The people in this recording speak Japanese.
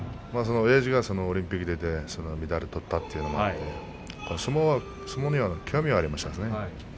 おやじがオリンピックに出てメダルを取ったというので相撲には興味がありましたね。